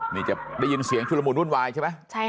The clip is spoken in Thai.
นี่จะได้ยินเสียงชุดละมุนวุ่นวายใช่ไหม